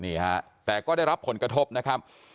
นี่ฮะแต่ก็ได้รับผลกระทบนะครับ